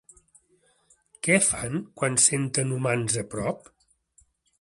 Què fan quan senten humans a prop?